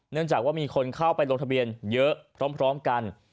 เนื่องจากว่ามีคนเข้าไปลงทะเบียนเยอะพร้อมกัน